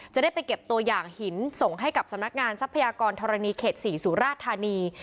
จะได้ไปเก็บตัวอย่างหินส่งให้กับสำนักงานทรัพยากรธรณีเขต๔สุราธานี